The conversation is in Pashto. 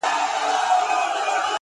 هم ښکنځلي پکښي وسوې هم جنګونه؛